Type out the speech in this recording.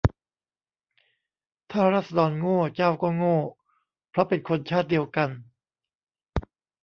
ถ้าราษฎรโง่ เจ้าก็โง่ เพราะเป็นคนชาติเดียวกัน